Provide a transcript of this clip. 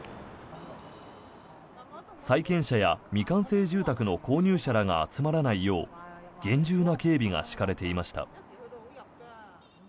債権者や未完成住宅の購入者らが集まらないよう厳重な警備が敷かれていました。